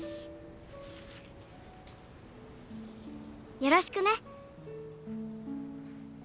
よろしくね。